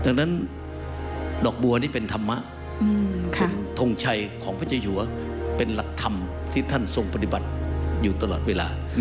ดังนั้นดอกบัวนี่เป็นธรรมะเป็นทงชัยของพระเจ้าอยู่เป็นหลักธรรมที่ท่านทรงปฏิบัติอยู่ตลอดเวลา